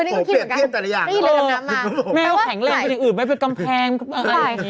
เออนี่ก็คิดเหมือนกันไม่ได้ยินเรือดำน้ำมาแต่ว่าแข็งแหลงไปอื่นไม่เป็นกำแพงอะไรอย่างนี้